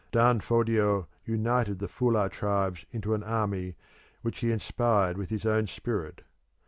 Dan Fodio united the Fulah tribes into an army which he inspired with his own spirit.